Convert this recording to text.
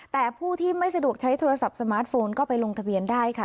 แต่ผู้ที่ไม่สะดวกใช้โทรศัพท์สมาร์ทโฟนก็ไปลงทะเบียนได้ค่ะ